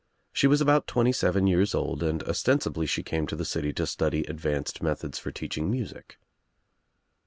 She was about twenty seven years old and ostensibly she came to the city to study advanced methods for teaching music.